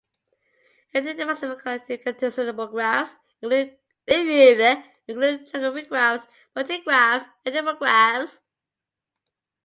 Hereditary maximal-clique irreducible graphs include triangle-free graphs, bipartite graphs, and interval graphs.